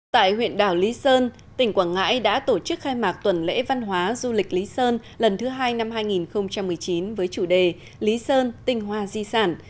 tại huyện đảo lý sơn tỉnh quảng ngãi đã tổ chức khai mạc tuần lễ văn hóa du lịch lý sơn lần thứ hai năm hai nghìn một mươi chín với chủ đề lý sơn tinh hoa di sản